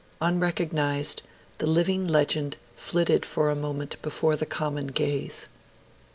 Unrecognised, the living legend flitted for a moment before the common gaze.